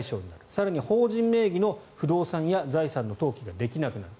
更に、法人名義の不動産や財産の登記ができなくなる。